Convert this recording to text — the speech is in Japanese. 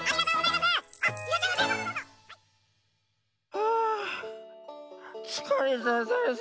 はあつかれたざんす。